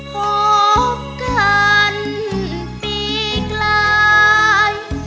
พบกันปีใกล้